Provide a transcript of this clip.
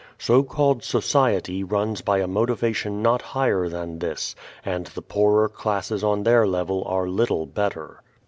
So called "society" runs by a motivation not higher than this, and the poorer classes on their level are little better.